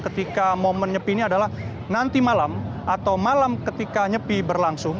ketika momen nyepi ini adalah nanti malam atau malam ketika nyepi berlangsung